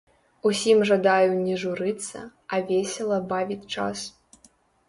Усім жадаю не журыцца, а весела бавіць час!